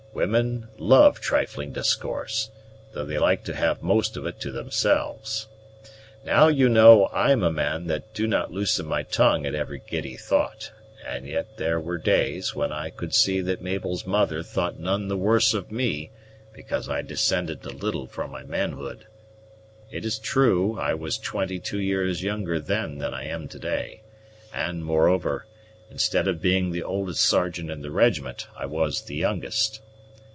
Women love trifling discourse, though they like to have most of it to themselves. Now you know I'm a man that do not loosen my tongue at every giddy thought; and yet there were days when I could see that Mabel's mother thought none the worse of me because I descended a little from my manhood. It is true, I was twenty two years younger then than I am to day; and, moreover, instead of being the oldest sergeant in the regiment, I was the youngest.